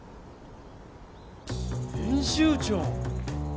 編集長！？